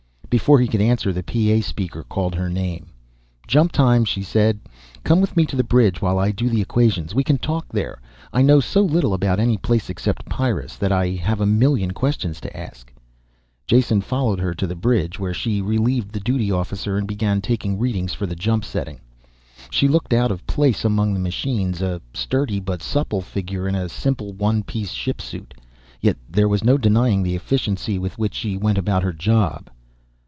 Before he could answer, the PA speaker called her name. "Jump time," she said. "Come with me to the bridge while I do the equations. We can talk there. I know so little about any place except Pyrrus that I have a million questions to ask." Jason followed her to the bridge where she relieved the duty officer and began taking readings for the jump setting. She looked out of place among the machines, a sturdy but supple figure in a simple, one piece shipsuit. Yet there was no denying the efficiency with which she went about her job.